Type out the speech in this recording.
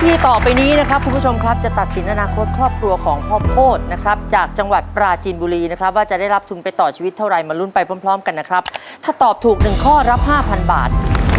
ทีต่อไปนี้นะครับคุณผู้ชมครับจะตัดสินอนาคตครอบครัวของพ่อโพธินะครับจากจังหวัดปราจีนบุรีนะครับว่าจะได้รับทุนไปต่อชีวิตเท่าไรมาลุ้นไปพร้อมพร้อมกันนะครับถ้าตอบถูกหนึ่งข้อรับห้าพันบาท